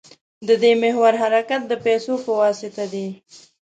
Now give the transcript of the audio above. د دې محور حرکت د پیسو په واسطه دی.